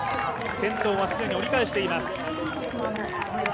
先頭は既に折り返しています。